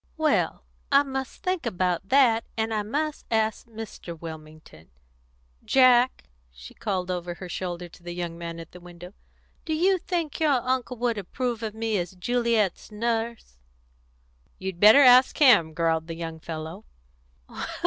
"Well, I must think about that, and I must ask Mr. Wilmington. Jack," she called over her shoulder to the young man at the window, "do you think your uncle would approve of me as Juliet's Nurse?" "You'd better ask him," growled the young fellow.